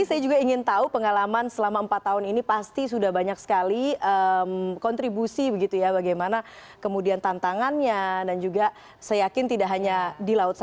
tapi saya juga ingin tahu pengalaman selama empat tahun ini pasti sudah banyak sekali kontribusi begitu ya bagaimana kemudian tantangannya dan juga saya yakin tidak hanya di laut saja